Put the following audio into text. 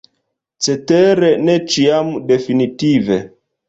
Cetere ne ĉiam definitive.